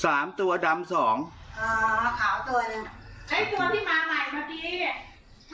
สามตัวดำสองอ่าขาวตัวนี่ไอ้ตัวที่มาใหม่เมื่อกี้